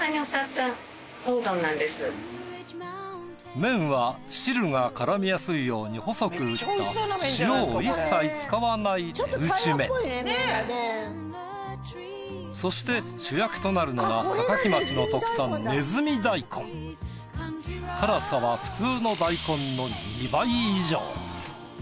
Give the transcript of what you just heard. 麺は汁が絡みやすいように細く打ったそして主役となるのは坂城町の特産辛さは普通の大根の２倍以上。